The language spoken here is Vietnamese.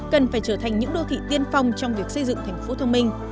cần phải trở thành những đô thị tiên phong trong việc xây dựng thành phố thông minh